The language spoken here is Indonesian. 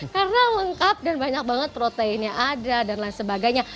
karena lengkap dan banyak banget proteinnya ada dan lain sebagainya